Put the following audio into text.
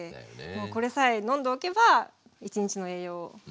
もうこれさえ飲んでおけば一日の栄養大丈夫。